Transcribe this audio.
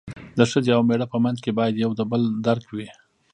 د ښځې او مېړه په منځ کې باید یو د بل درک وي.